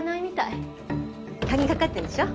鍵かかってるでしょ？